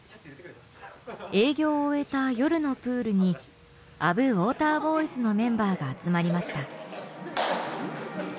営業を終えた夜のプールにＡＢＵウォーターボーイズのメンバーが集まりました。